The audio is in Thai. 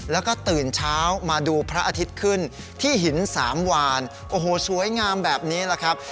แล้วก็ตื่นเช้ามาดูพระอาทิตย์ขึ้นที่หินสามวานโอ้โหสวยงามแบบนี้แหละครับ